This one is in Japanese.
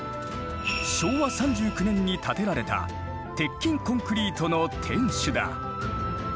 昭和３９年に建てられた鉄筋コンクリートの天守だ。